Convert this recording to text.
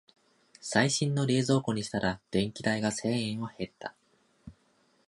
最新の冷蔵庫にしたら電気代が千円は減った